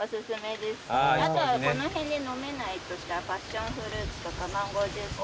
あとはこの辺で飲めないとしたらパッションフルーツとかマンゴージュース。